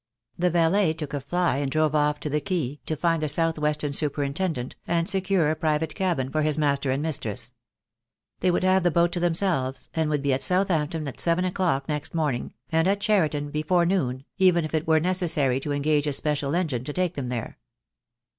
The valet took a fly and drove off to the quay to find the South Western superintendent, and secure a private cabin for his master and mistress. They would have the boat to themselves, and would be at Southampton at seven o'clock next morning, and at Cheriton before noon, even if it were necessary to engage a special engine to take them there.